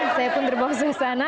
saya pun terbang susah sana